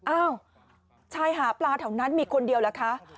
อ้าวชายหาปลาแถวนั้นมีคนเดียวเหรอคะ